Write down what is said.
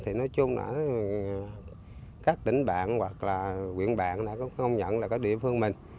thì nói chung là các tỉnh bạn hoặc là nguyện bạn đã công nhận là có địa phương mình